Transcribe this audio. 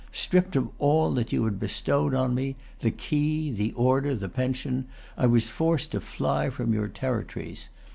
Stripped of all that you had bestowed on me, the key, the order, the pension, I was forced to fly from your territories.